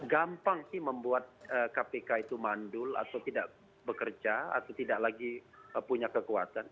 gampang sih membuat kpk itu mandul atau tidak bekerja atau tidak lagi punya kekuatan